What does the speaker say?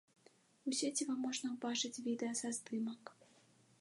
У сеціве можна ўбачыць відэа са здымак.